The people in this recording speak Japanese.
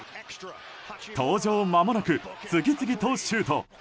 登場まもなく、次々とシュート。